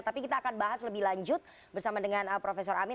tapi kita akan bahas lebih lanjut bersama dengan prof amin